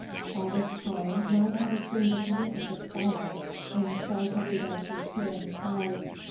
By this time night had assumed the conditions of twilight, and the stars had begun to appear in the skies.